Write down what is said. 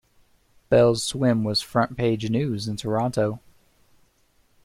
Bell's swim was front-page news in Toronto.